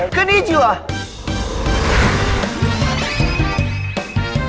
คือนี่เฉยวะ